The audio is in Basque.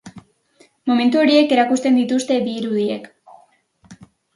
Momentu horiek erakusten dituzte bi irudiek.